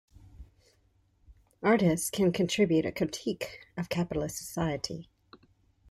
Artists can contribute a critique of capitalist society.